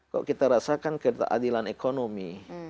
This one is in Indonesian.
kok kita rasakan keadilan ekonomi